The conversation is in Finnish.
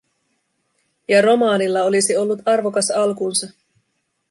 Ja romaanilla olisi ollut arvokas alkunsa.